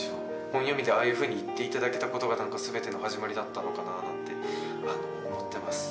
本読みでああいうふうに言っていただけたことが全ての始まりだったのかななんて思ってます。